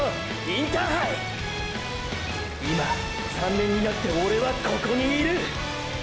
今ーー３年になってオレはここにいる！！